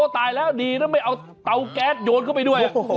ตายแล้วดีนะไม่เอาเตาแก๊สโยนเข้าไปด้วย